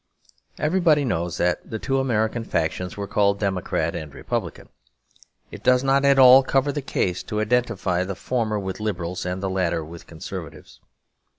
Everybody knows that the two American factions were called 'Democrat' and 'Republican.' It does not at all cover the case to identify the former with Liberals and the latter with Conservatives.